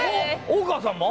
大川さんも？